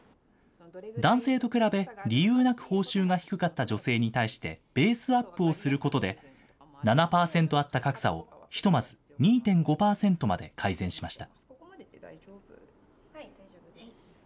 男性と比べ、理由なく報酬が低かった女性に対してベースアップをすることで、７％あった格差をひとまず２．５％まで改善しました。